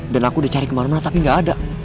dan aku udah cari kemana mana tapi gak ada